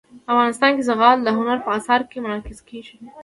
افغانستان کې زغال د هنر په اثار کې منعکس کېږي.